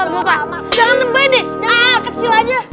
musa jangan nembik kecil aja